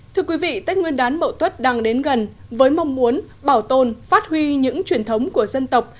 thưa quý vị tết nguyên đán mậu tuất đang đến gần với mong muốn bảo tồn phát huy những truyền thống của dân tộc